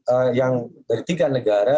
ee yang dari tiga negara